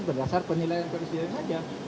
berdasar penilaian presiden saja